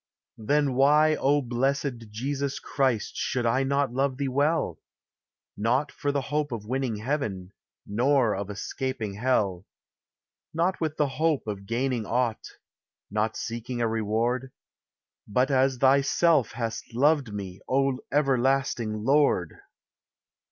Then why, O blessed Jesus Christ, Should I not love thee well? Not for the hope of winning heaven, Nor of escaping hell ; Not with the hope of gaining aught, Not seeking a reward ; But as thyself hast loved me, O everlasting Lord